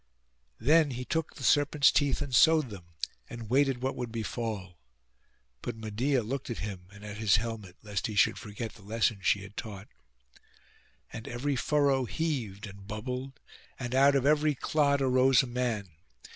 Then he took the serpents' teeth and sowed them, and waited what would befall. But Medeia looked at him and at his helmet, lest he should forget the lesson she had taught. And every furrow heaved and bubbled, and out of every clod arose a man.